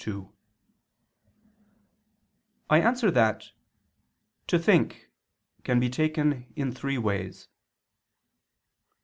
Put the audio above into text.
I answer that, "To think" can be taken in three ways.